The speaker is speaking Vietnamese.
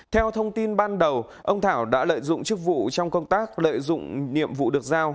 theo thông tin ban đầu ông thảo đã lợi dụng chức vụ trong công tác lợi dụng nhiệm vụ được giao